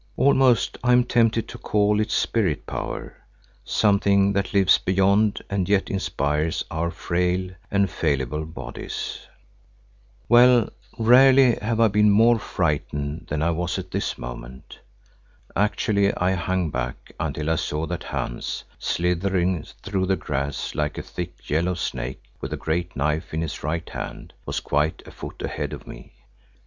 Almost am I tempted to call it spirit power, something that lives beyond and yet inspires our frail and fallible bodies. Well, rarely have I been more frightened than I was at this moment. Actually I hung back until I saw that Hans slithering through the grass like a thick yellow snake with the great knife in his right hand, was quite a foot ahead of me.